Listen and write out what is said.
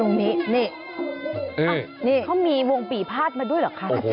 นี้นี่เขามีวงปีภาษมาด้วยเหรอคะ